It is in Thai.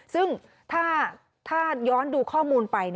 ซึ่งถ้าย้อนดูข้อมูลไป